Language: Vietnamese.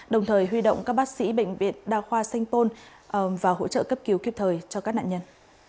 đồng thời huy động các bác sĩ bệnh viện đa khoa xanh tôn và hỗ trợ cấp cứu kiếp thời cho các nạn nhân